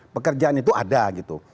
pekerjaan itu ada gitu